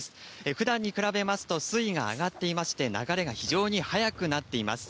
ふだんに比べますと水位が上がっていまして、流れが非常に速くなっています。